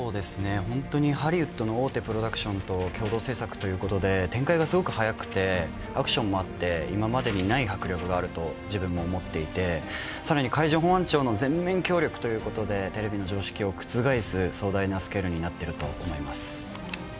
本当にハリウッドの大手プロダクションと共同制作ということで展開がすごく早くてアクションもあって、今までにない迫力があると自分も思っていて、更に海上保安庁の全面協力ということで、テレビの常識を覆す壮大なスケールになってると思います。